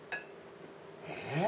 えっ？